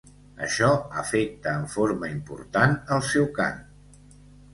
Això afecta en forma important el seu cant.